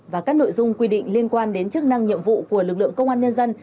và các nội dung quy định liên quan đến chức năng nhiệm vụ của lực lượng công an nhân dân